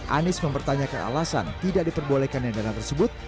anies mempertanyakan alasan tidak diperbolehkan yang dalam tersebut